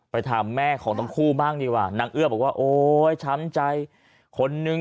ไปทำแม่ของตำคู่บ้างดีวะนางเกื่อบอกว่าโอ๊ยสำใจคนนึง